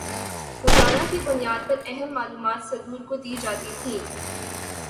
روزانہ کی بنیاد پر اہم معلومات صدور کو دی جاتی تھیں